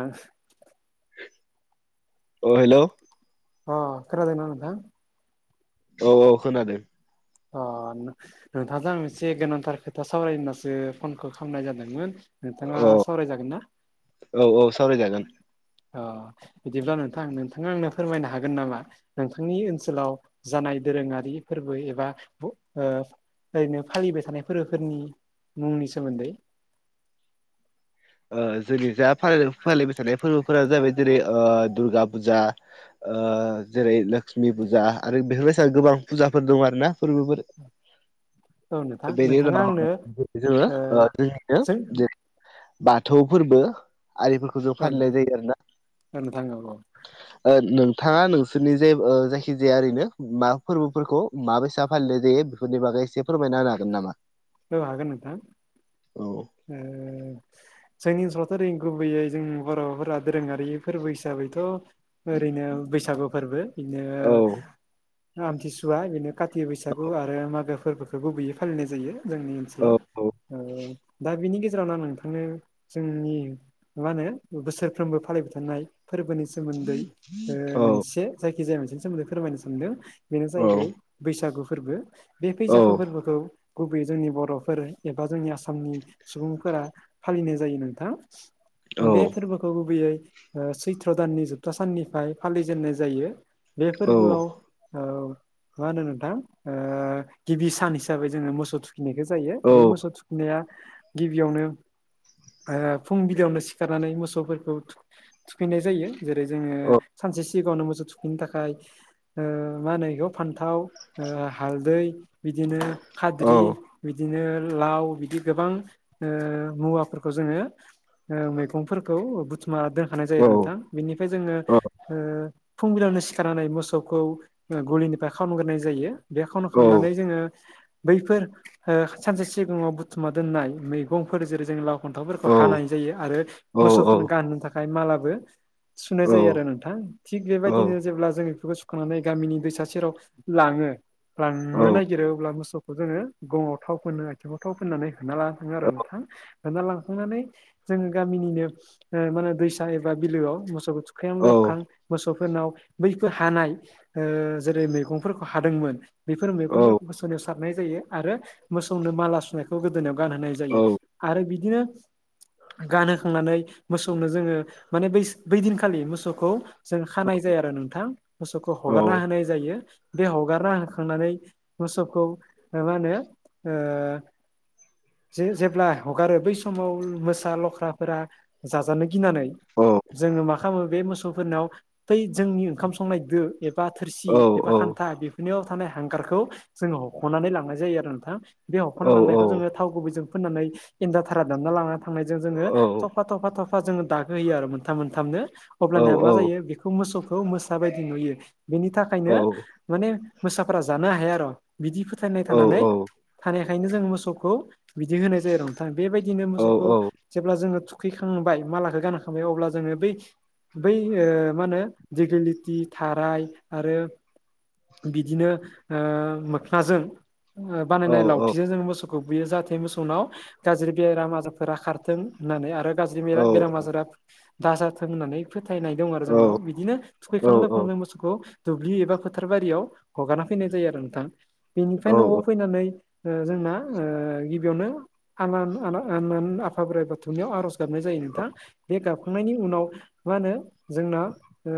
आं ओ हेलौ अ खोनादोंना नोंथां? औ औ खोनादों। अ नो-नोंथांजों आं एसे गोनांथार खोथा सावरायनो होननासो फनखौ खालामनाय जादोंमोन। नोंथाङा औ सावराय जागोन ना? औ औ सावरायजागोन। अ बिदिब्ला नोंथां नोंथाङा आंनो फोरमायनो हागोन नामा? नोंथांनि ओनसोलाव जानाय दोरोङारि फोरबो एबा बो ओ ओरैनो फालिबाय थानाय फोरबोफोरनि मुंनि सोमोन्दै ओ जोंनि जा फालि-फालिबाय थानाय फोरबोफोरा जाहैबाय जेरै- ओ दुर्गा फुजा ओ जेरै- लक्ष्मि फुजा आरो बेफोरबायसा गोबां फुजाफोर दं आरो ना फोरबोफोर औ नोंथां बेनि नोंथाङा उनाव आंनो जोङो ओ जोंनिनो जों जे बाथौ फोरबो आरिफोरखौ जों ओं फालिनाय जायो आरो ना नोंथां औ ओ नोंथाङा नोंसोरनि जे ओ जायखिजाया ओरैनो मा फोरबोफोरखौ माबायसा फालिनाय जायो फोरनि बागै एसे फोरमायना होनो हागोन नामा? औ हागोन नोंथां औ ओ जोंनि ओनसोलावथ' ओरै गुबैयै जों बर'फोरा दोरोङारि फोरबो हिसाबैथ' ओरैनो बैसागु फोरबो इनो औ आमथिसुवा बेनो काति बैसागु आरो मागो फोरबोखौ गुबैयै फालिनाय जायो। जोंनि औ ओनसोलाव ओ दा बिनि गेजेरावनो आं नोंथांनो जोंनि मा होनो बोसोरफ्रोमबो फालिबाय थानाय फोरबोनिस सोमोन्दै ओ औ मोनसे जायखिजाया मोनसेनि सोमोन्दै फोरमायनो सानदों बेनो जाहैबाय बैसागु फोरबो बे औ बैसागु औ फोरबोखौ गुबैयै जोंनि बर'फोर एबा जोंनि आसामनि सुबुंफोरा फालिनाय जायो नोंथां। औ बे फोरबो खौ गुबैयै औ सैत्र' दाननि जोबथा साननिफ्राय फालिजेननाय जायो। बे फोरबोआव औ मा होनो नोंथां ओ गिबि सान हिसाबै जोङो मोसौ फिनायखौ जायो बे मोसौ थुखैनाया गिबियावनो ओ फुंबिलियावनो सिखारनानै मोसौफोरखौ थु-थुखैनाय जायो। जेरै- जोङो सानसे सिगाङावनो मोसौ थुखैनो थाखाय ओ मा होनो एखौ फान्थाव ओ हालदै बिदिनो खाद्रि बिदिनो लाव बिदि गोबां ओ मुवाफोरखौ जोङो मैगंफोरखौ बुथुमा दोनखानाय जायो आरो नोंथां। बेनिफ्राय जोङो फुंबिलयावनो सिखारनानै मोसौखौ गलिनिफ्राय खावनोग्रोननाय जायो। बे खावन खांनानै जोङो बैफोर सानसे सिगाङाव बुथुमा दोननाय मैगंफोर जेरै जों लाव फान्थावफोरखौ हानाय जायो आरो मोसौफोरनो गानो थाखाय मालाबो सुनाय जायो आरो नोंथां, थिग बेबायदिनो जेब्ला जों बेफोरखौ खांनानै गामिनि दैसा सेराव लाङो, लांनो नागिरो अब्ला मोसौखौ जोङो गङाव थाव फोननो आथिङाव थाव फोननानै होना लाना थाङो आरो नोंथां। होना लांखांनानै जोङो गामिनिनो ओ माने दैसा एबा बिलोआव मोसौखौ खख्रां लोबखां मोसौफोरनाव बैफोर हानाय ओ जेरै मैगंफोरखौ हादोंमोन। बेफोर मैगंफोरखौ मोसौनियाव सारनाय जायो, आरो मोसौनो माला सुनायखौ गोदोनायाव गानहोनाय जायो। आरो बिदिनो गानहोखांनानै मोसौनो जोङो माने बै बैदिनखालि मोसौखौ जों खानाय जाया आरो नोंथां। मोसौखौ हगारना होनाय जायो बे हगारना होखांनानै मोसौखौ मा होनो? ओ जे जेब्ला हगारो बै समाव मोसा लख्राफोरा जाजानो गिनानै जोङो मा खालामो बे मोसौ फोरनाव बै जोंनि ओंखाम संनाय दो एबा थोरसि एबा खान्था बे बिनियाव थानाय हांगारखौ जोङो हख'नानै लांनाय जायो आरो नोंथां। बे हख'ना औ लांनायखौ जोङो थाव गुबैजों फोननानै एनदा थारा दानना लाना थांनायजों जोङो थफा थफा थफा जोङो दागो होयो आरो मोनथाम मोनथामनो। अब्लाना मा जायो बेखौ मोसौखौ मोसा बायदि नुयो। बेनि थाखाय थाखायनो माने मोसाफोरा जानो हाया आर', बिदि फोथायनाय थानानै थानायखायनो जों मोसौखौ बिदि होनाय जायो आरो नोंथां, बेबायदिनो मोसौखौ जेब्ला जोङो थुखैखांबाय मालाखो गानखांबाय अब्ला जोङो बै बै ओ मा होनो दिगिलिटि थाराय आरो बिदिनो ओ मोखनाजों ओ बानायनाय लावथिजों जोंङो मोसौखौ बुयो जाहाथे मोसौनाव गाज्रि बेराम आजारफोरा खारथों होननानै आरो गाज्रि बेराम आजारा दाजाथों होननानै फोथायनाय दं आरो जोंनाव। बिदिनो थुखैखां लोबखां जों मोसौखौ दुब्लि एबा फोथारबारियाव हगारना फैनाय जायो आरो नोंथां। बेनिफ्राय न'आव फैनानै ओ जोंना ओ गिबियावनो आनान आ आनान आफा बोराइ बाथौनियाव आर'ज गाबनाय जायो नोंथां। बे गाबखांनायनि उनाव मा होनो? जोंना ओ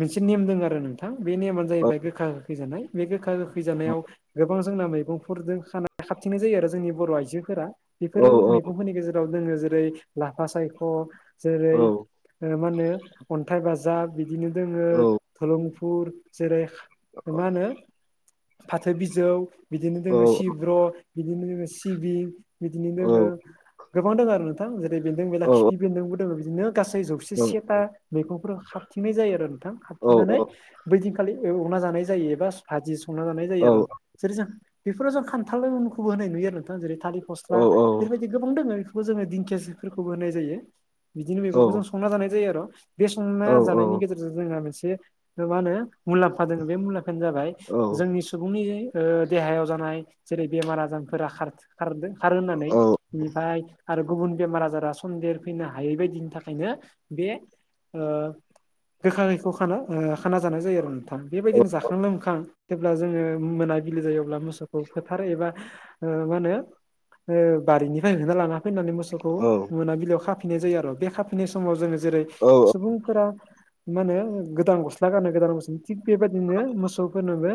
मोनसे नेम दङ आरो नोंथां बे नेमानो जाहैबाय गोखा गोखै जानाय, बे गोखा गोखै जानायाव गोबां जोंना मैगंफोरजों खानाय खाबथिंनाय जायो आरो जोंनि बर' आइजोफोरा। बेफोर मैगंफोरनि गेजेराव दोङो जेरै लाफा सायख' जेरै मा होनो अन्थाइ बाजाब बि बिदिनो दोङो दुलुंफुर जेरै मा होनो? फाथो बिजौ बिदिनो जोङो सिब्र' बिदिनो सिबिं बिदिनो दोङो गोबां दोङ आरो नोंथां जेरै बेन्दों बेला खिफि बेन्दोंबो दङ बिदिनो गासै जौसे सेथा मैगंफोर खाब खाबथिंनाय जायो आरो नोंथां खाबथिंननानै बैदिनखालि एवना जानाय जायो एबा भाजि संना जानाय जायो आरो। जेरै जों बेफोराव जों खान्थालखौबो होनाय नुयो आरो नोंथां जेरै थालिर फस्ला बेफोरबायदि गोबां दोङो बेफोरखौ जोङो दिंखिया जिफोरखौबो होनाय जायो। बिदिनो मैगंखौ जों संना जानाय जायो आर' बे संना जानायनि गेजेरजों जोंहा मोनसे मा होनो मुलाम्फा दोङो बे मुलाम्फायानो जाबाय जोंनि सुबुंनि ओ देहायाव जानाय जेरै बेमार आजारफोरा खारथ खारदो खार होनानै बेनिफ्राय आरो गुबुन बेमार आजारा सन्देर फैनो हायै बायदिनि थाखायनो बे ओ गोखा गोखिखौ खाना ओ खाना जानाय जायो आरो नोंथां बेबायदिनो जाखां लोंखां जेब्ला जोङो मोनाबिलि जायो अब्ला मोसौखौ फोथार एबा ओ मा होनो ओ बारिनिफ्राय होना लाना फैनानै मोसौ औ मोसौफोरखौ मोनाबिलियाव खाफिन्नाय जायो आरो बे खाफिन्नाय समाव जोङो जेरै औ सुबुंफोरा मा होनो गोदान गस्ला गानो गोदान बोसोराव थिग बेबायदिनो मोसौफोरनोबो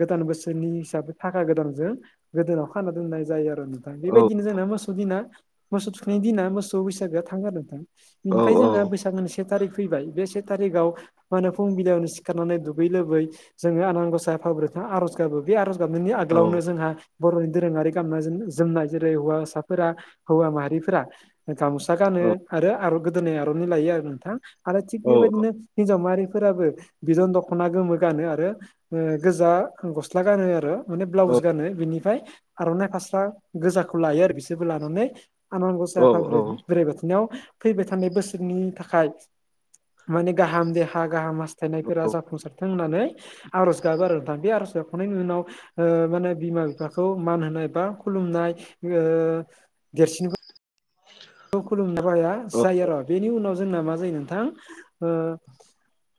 गोदान बोसोरनि हिसाबै थाखा गोदानजों गोदोनायाव खाना दोननाय जायो आरो नोंथां बेबायदिनो जोंना मोसौ दिना मोसौ थुखैनायनि दिना मोसौ बैसागोआ थांओ आरो नोंथां औ बेनिफ्राय जोंहा बैसागोनि से थारिख फैबाय बे से थारिकाव मा होनो फुं बिलाइयावनो सिखारनानै दुगै लोबै जोङो आनान गसाय आफा बोराई बाथौ आर'ज गाबो बे आर'ज गाबनायनि औ आगोलावनो जोंहा बर'नि दोरोङारि गाननाय जोमनाय जेरै हौवासाफोरा हौवा माहारिफोरा गाम'सा गानो औ आरो गोदोनाय आर'नाइ लायो आरो नोंथां आरो थिग औ बेबायदिनो हिनजाव माहारिफोराबो बिदन दख'ना गोमो गानो आरो गोजा गस्ला गानो आरो माने ब्लाउस गानो बिनिफ्राय आर'नाइ फास्रा गोजाखौ लायो आरो बिसोरबो लानानै आनान औ गसाइ आफा औ बोराइ बाथौनियाव फैबाय थानाय बोसोरनि थाखाय माने गाहाम देहा गाहाम हास्थायनायफोरा जाफुंसारथों होननानै आर'ज गाबो आरो नोंथां बे आर'ज गाखांनायनि उनाव ओ माने बिमा बिफाखौ मान होनाय बा खुलुमनाय ओ देरसिनखौ खुलुमनो हाया जायो आरो बेनि उनाव जोंना मा जायो नोंथां ओ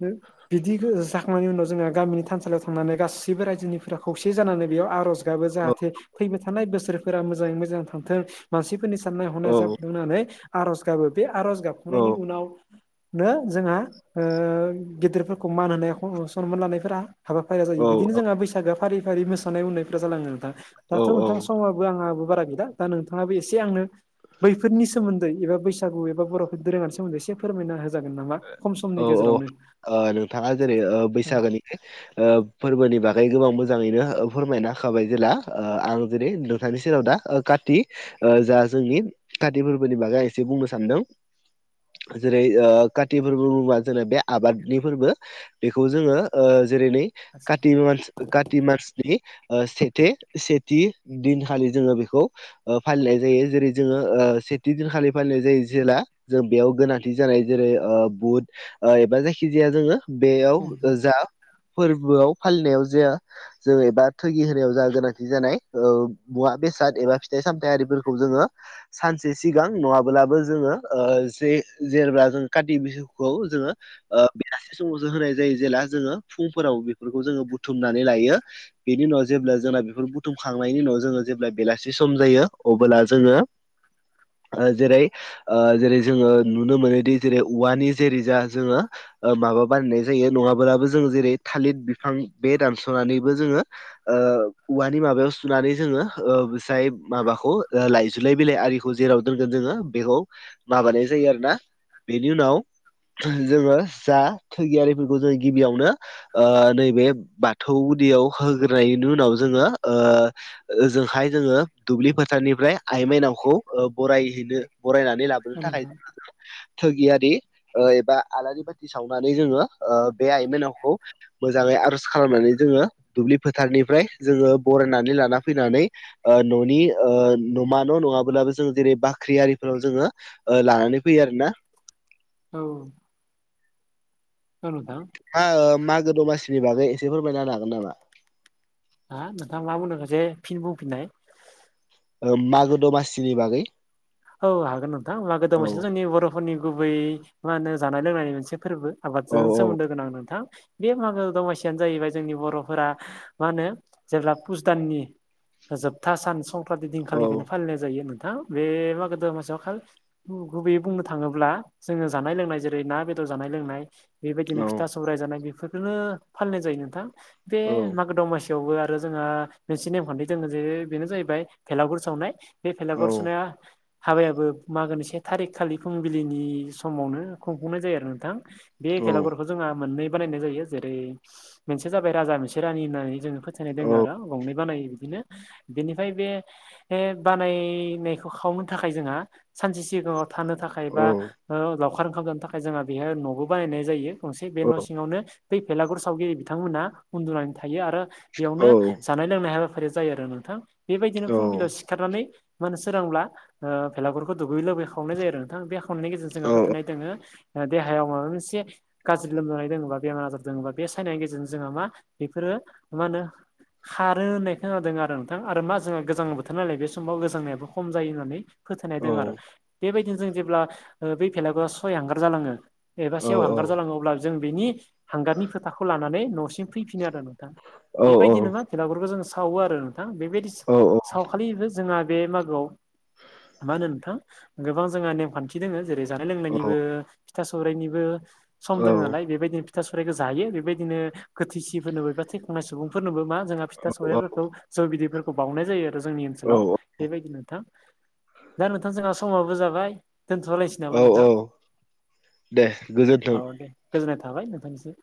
होम बिदि जाखांनायनि उनाव जोङो गामिनि थानसालियाव थांनानै गासैबो रायजोनिफोरा खौसे जानानै बेयाव आर'ज जाहाथे फैबाय थानाय बोसोरफोरा मोजाङै मोजां थांथों मानसिफोरनि साननाय हनाय औ जा होन्नानै आर'ज गाबो बे आर'ज गाबखांनायनि उनावनो जोंहा ओ गेदेरफोरखौ मान होनाया सनमान लानायफोरा हाबाफारिया औ जायो बिदिनो जोंहा बैसागु फारि-फारि मोसानायनायफ्रा जालाङो नोंथां दाथ' नोंथां औ समाबो आंहाबो बारा गैला दा नोंथाङाबो एसे आंनो बैफोरनि सोमोन्दै एबा बैसागु एबा बर'फोरनि दोरोङारि सोमोन्दै एसे फोरमायना होजागोन नामा खम समनि गेजेरावनो ओ नोंथाङा जेरै ओ बैसागोनि ओ फोरबोनि बागै गोबां मोजाङैनो फोरमायना होखाबाय जेला ओ आं दिनै नोंथांनि सेराव दा काति जा जोंनि काति फोरबोनि बागै एसे बुंनो सानदों जेरै काति फोरबो मुङा जोंे बे आबाद नि फोरबो बेखौ जोङो ओ जेरै नै आदसा काति मासनि काति मासनि सेथे-सेथि दिनखालि जोङो बेखौ ओ फालिनाय जायो जेरै जोङो ओ सेथि दिनखालि फालिनाय जायो जेला जों बेयाव गोनांथि जानाय जेरै ओ बुट एबा जायखि जायखिजाया जोङो औ बेयाव नोंथां जा फोरबोआव फालिनायाव जाया जोङो एबा थुगि होनायाव जोंहा गोनांथि जानाय मुवा बेसाद एबा फिथाइ सामथाइ आरिफोरखौ जोङो सानसे सिगां नङाब्लाबो जोङो ओ जे जेेब्ला जों काति बिहुखौ जोङो ओ बेलासे समावसो होनाय जायो जेला जोङो फुंफोराव बेफोरखौ जोङो बुथुमनानै लायो बेनि उनाव जेब्ला जोंना बेफोर बुथुमखांनायनि उनाव जोङो जेब्ला बेलासि सम जायो अब्ला जोङो [inaudible] जेरै ओ जेरै जोङो नुनो मोनोदि जेरै औवानि जेरै जा जोङो ओ माबा बानायनाय जायो नङाब्लाबो जों जेरै थालिर बिफां बे दानस'नानैबो जोङो ओ औवानि माबायाव सुनानै जोङो ओ जाय माबाखौ लाइजुलाय बिलाइ आरि खौ जेराव दोनगोन जोङो बेखौ माबानाय जायो आरोना बेनि उनाव जोङो जा थैगियारिफोरखौ जोङो गिबियावनो ओ नैबे बाथौ गुदियाव होग्रोनायनि उनाव जोङो ओ ओजोंहाय जोङो दुब्लि फोथारनिफ्राय आइ माइनावखौ बरायहैनो बरायनानै लाबो औ नोंथां थागियारि एबा आलारि बाथि थि सावनानै जोङो बे आइमोननावखौ मोजाङै आर'ज खालामनानै जोङो दुब्लि फोथारनिफ्राय जोङो बरायनानै लाना फैनानै न'नि न'मा न' नङाब्लाबो जोङो जेरै बाख्रियिफोराव जोङो लानानै फैयो आरो ना औ सल दा ह मागो दमासिनि बागै एसे फोरमायना हागोन नामा? हा नोंथांा मा बुंदों ससे फिन बुंफिननाय। मागो दमासिनि बागै औ हागोन नोंथां होमब्लाा गोदाव औ मोनसे' जोंनि बर'फोरनि गुबै मा होनो जानाय लोंनायनि मोनसे फोरबो। औ आबादजों औ सोमोन्दो गोनां नोंथां बे मागो दमासियानो जाहैबाय जोंनि बर'फोरा मा होनो जेब्ला पुस दाननि जोबथा सान संक्रान्ति औ दिनखालिफ्रायनो फालिनाय जायो नोंथां बे मागो दमासियाव खा गुबैयै बुंनो थाङोब्ला जोङो जानाय लोंनाय जेरै ना बेदर जानाय लोंनाय औ बेबायदिनो फिथा सौाइ जानाय बेफोरफोरखौनो फालिनाय जायो नोंथां बे औ मागो दमासि थवबो आरो जोंहा मोनसे नेमखान्थि दोङो जे बेनो जाहैबाय भेलागुर सावनाय बे फलागरसनाया हाबायाबो मागोनि से थारिख खालि फुंबिलिनि समावनो खुंफुंनाय जायो आरो नोंथां बे औ खेलागुरखौ जोंहा मोननै बानायनाय जायो जेरै मोनसे जाबाय राजा मोनसे रानि होननानै जोङो फो फासनाय दोङ आरो गंनै बानायो बिदिनो बेनिफ्राय बे बानायनायखौ खावनो थाखाय जोंहा सानसे सिगाङाव थानो थाखाय औ बा लावखार ओंखाम जानो थाखाय जोंहा बेहाय न'बो बानायनाय जायो गंसे बे न' सिङावनो बै भेलागुर सावगिरि बिथांमोना उन्दुनानै थायो आरो बेयावनो औ जानाय लोंनाय हाबाफारिया जायो आरो नोंथां बेबायदिनो फुंबिलियाव सिखारनानै मानो सोरांब्ला भलागुरखौ दुगै लुबै खावनाय जायो आरो नोंथां बे खावनायनिेजेरजोंोहा औ फोथायनाय दोङो देहायाव माबा मोनसे गाज्रि लोमजानाय दङोबा बेमार आजार दोङबा बे सायनायनि गेजेरजों जोंहा मा बेफोरो मा होनो। खारो होननाय खोनादों आरो नोंथां आरो मा जोंहा गोजां बोथोर नालाय बे समाव गोजांनायाबो खम जायो होननानै फोथायनाय दं आरो बेबायदिनो जों जेब्ला बे फिलबोआ सय हांगार जालाङो एबा सेव हांगार औ जालाङो अब्ला जों बेनि हांगारनि खोथाखौ लानानै न'सिम फैफिनो आरो नोंथाङा बेबायदि औ नङा खेलाफोरखौ जों सावो आरो नोंथां बेबायदि सावखालिबो जोंहा बे मागोआव मा होनो नोंथां गोबां जोंहा नेमखान्थि दङ जेरै जानाय लोंनायनिबो फिथा सौरायाइनिबो सम दङ नालाय बेबायदिनो फिथा साइखौ जायो बेबायदिनो गोथैसिफोरनोबो एबा थैखांनाय सुबुंफोरनोबो मा जोंहा फिथा सौबायाइफोरखौ जौ बिदैफोरखौ बावनाय जायो आरो जोंनि औ औ ओनसोलाव बेबायदि नोंथां दा नोंथां जोंहा समाबो जाबाय दोनथ'आलायसै औ औ दे औ गोजोन्थों। दे गोजोननाय थाबाय नोंथांनिसो